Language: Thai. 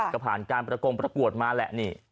ก็ผ่านการประกงประกวดมาแหละนี่